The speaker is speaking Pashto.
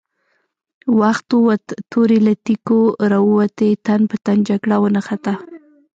وخت ووت، تورې له تېکو را ووتې، تن په تن جګړه ونښته!